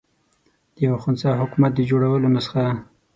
د یوه خنثی حکومت د جوړېدلو نسخه.